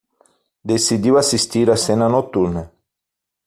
Decidiu assistir a cena noturna